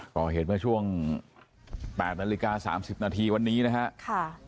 ก่อเหตุมาช่วง๘นาฬิกา๓๐นาทีวันนี้นะฮะค่ะ